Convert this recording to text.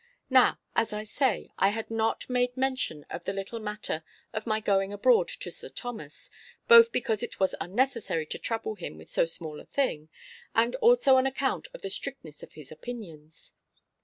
Now, as I say, I had not made mention of the little matter of my going abroad to Sir Thomas, both because it was unnecessary to trouble him with so small a thing, and also on account of the strictness of his opinions.